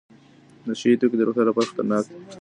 نشه یې توکي د روغتیا لپاره خطرناک دي.